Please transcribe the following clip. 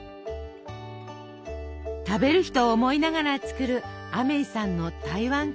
食べる人を思いながら作るアメイさんの台湾カステラ。